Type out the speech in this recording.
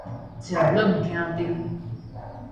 食軟驚硬